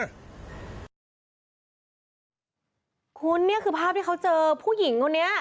คุณนี่คือภาพที่เขาเจอผู้หญิงคนนี้